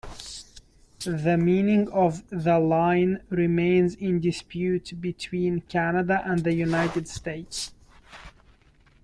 The meaning of the line remains in dispute between Canada and the United States.